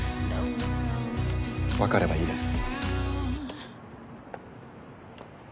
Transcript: わかればいいです。